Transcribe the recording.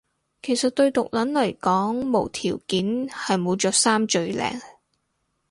其實對毒撚嚟講無條件係冇着衫最靚